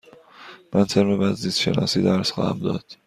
من ترم بعد زیست شناسی درس خواهم داد.